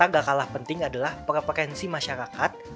dan juga gak kalah penting adalah preferensi masyarakat